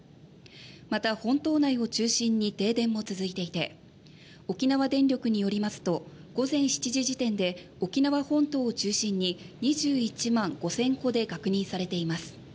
また、本島内を中心に停電も続いていて沖縄電力によりますと午前７時時点で沖縄本島を中心に２１万５０００戸で確認されています。